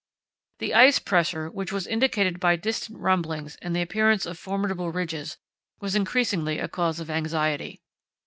The ice pressure, which was indicated by distant rumblings and the appearance of formidable ridges, was increasingly a cause of anxiety.